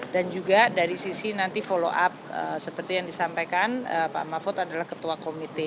dan juga dari sisi nanti follow up seperti yang disampaikan pak mafut adalah ketua komite